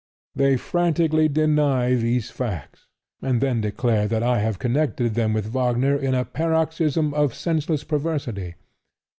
They frantically deny these facts, and then declare that I have connected them with Wagner in a paroxysm of senseless perversity.